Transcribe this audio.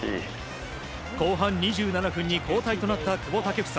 後半２７分に交代となった久保建英。